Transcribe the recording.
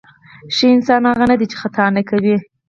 ښه انسان هغه نه دی چې خطا نه کوي.